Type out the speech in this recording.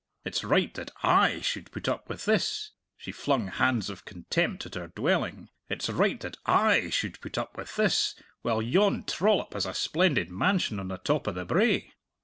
It's right that I should put up with this" she flung hands of contempt at her dwelling "it's right that I should put up with this, while yon trollop has a splendid mansion on the top o' the brae!